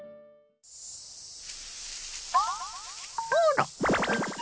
あら。